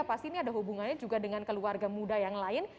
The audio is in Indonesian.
pasti ini ada hubungannya juga dengan keluarga muda yang lain